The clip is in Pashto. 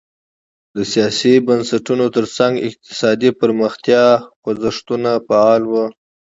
د سیاسي بنسټونو ترڅنګ اقتصادي پرمختیا خوځښتونه فعال وو.